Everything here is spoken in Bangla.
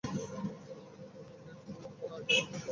বেক, কোনও ভালো আইডিয়া থাকলে বলো!